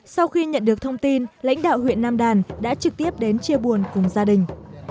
sau khi nhận được thông tin lãnh đạo huyện nam đàn đã trực tiếp đến chia buồn cùng gia đình